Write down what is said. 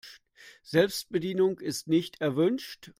Selbstbedienung ist nicht erwünscht.